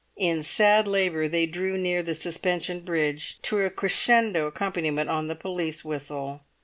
In sad labour they drew near the suspension bridge, to a crescendo accompaniment on the police whistle.